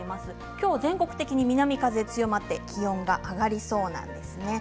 今日は全国的に南風が強まって気温が上がりそうなんですね。